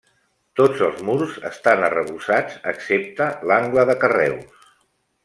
Tots els murs estan arrebossats, excepte l’angle de carreus.